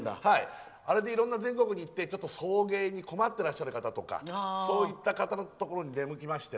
あれで全国に行って、送迎に困ってらっしゃる方とかそういった方のところに出向いて。